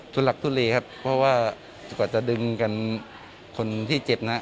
หลักทุเลครับเพราะว่ากว่าจะดึงกันคนที่เจ็บนะ